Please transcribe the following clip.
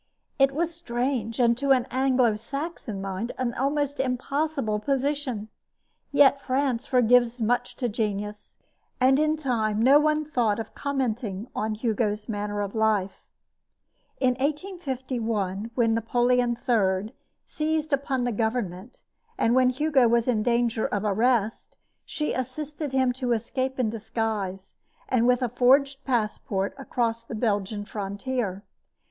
It was a strange and, to an Anglo Saxon mind, an almost impossible position; yet France forgives much to genius, and in time no one thought of commenting on Hugo's manner of life. In 1851, when Napoleon III seized upon the government, and when Hugo was in danger of arrest, she assisted him to escape in disguise, and with a forged passport, across the Belgian frontier.